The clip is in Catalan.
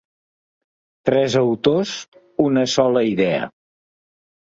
Tres autors, una sola idea.